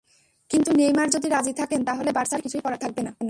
কিন্তু নেইমার যদি রাজি থাকেন, তাহলে বার্সার কিছুই করার থাকবে না।